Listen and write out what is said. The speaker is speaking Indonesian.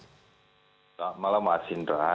selamat malam pak sindra